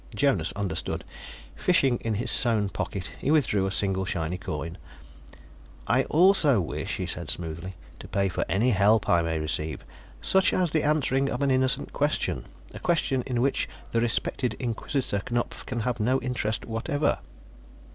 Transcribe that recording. Jonas understood. Fishing in his sewn pocket, he withdrew a single, shiny coin. "I also wish," he said smoothly, "to pay for any help I may receive such as the answering of an innocent question, a question in which the respected Inquisitor Knupf can have no interest whatever."